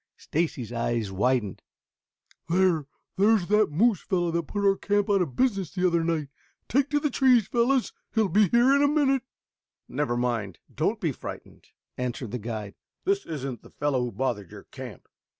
"Ugh, ugh, ugh, oo oo oo!" Stacy's eyes widened. "There there's that moose fellow that put our camp out of business the other night. Take to the trees, fellows! He'll be here in a minute." "Never mind. Don't be frightened," answered the guide. "That isn't the fellow who bothered your camp.